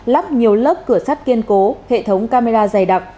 lắp nhiều lớp cửa sắt kiên cố hệ thống camera dày đặc